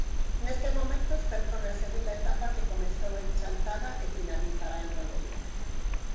Nestes momentos percorre a segunda etapa que comezou en Chantada e finalizará en Rodeiro.